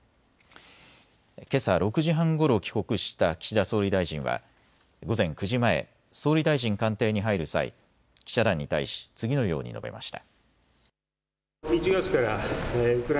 けさ６時半ごろ帰国した岸田総理大臣は午前９時前、総理大臣官邸に入る際、記者団に対し次のように述べました。